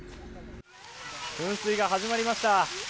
噴水が始まりました。